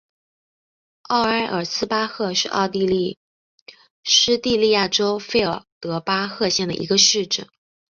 奥埃尔斯巴赫是奥地利施蒂利亚州费尔德巴赫县的一个市镇。